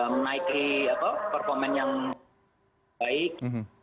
menaiki performa yang baik